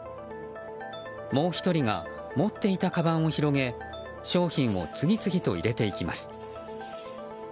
もう１人が持っていたかばんを広げ商品を次々と入れていきます。